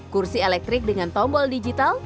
kursi elektrik dengan tombol digital